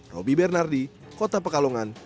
roby bernardi kota pekalongan